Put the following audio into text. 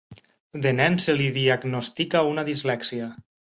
De nen, se li diagnostica una dislèxia.